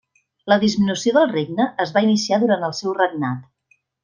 La disminució del regne es va iniciar durant el seu regnat.